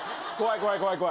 怖い、怖い。